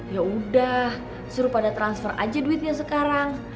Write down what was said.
yaudah suruh pada transfer aja duitnya sekarang